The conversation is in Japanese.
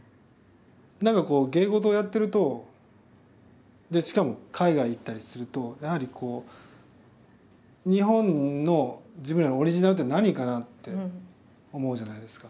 何かこう芸事をやってるとでしかも海外行ったりするとやはりこう日本の自分らのオリジナルって何かなって思うじゃないですか。